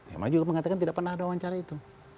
emma juga mengatakan tidak pernah ada wawancara itu